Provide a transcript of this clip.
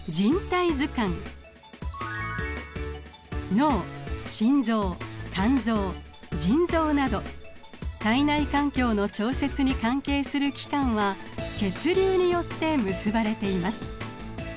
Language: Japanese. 脳心臓肝臓腎臓など体内環境の調節に関係する器官は血流によって結ばれています。